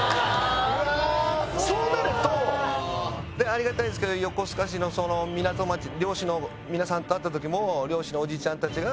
あ。でありがたいですけど横須賀市のその港町漁師の皆さんと会った時も漁師のおじちゃんたちが。